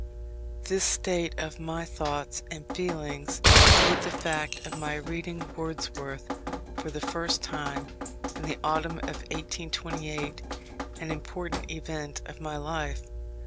This state of my thoughts and feelings made the fact of my reading Wordsworth for the first time (in the autumn of 1828), an important event of my life.